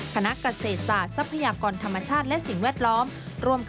คณะเกษตรศาสตร์ทรัพยากรธรรมชาติและสิ่งแวดล้อม